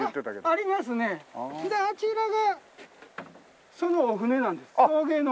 あちらがそのお船なんです。